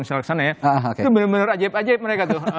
itu bener bener ajaib ajaib mereka tuh